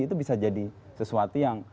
itu bisa jadi sesuatu yang